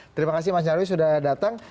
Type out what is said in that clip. terima kasih mas nyarwi sudah datang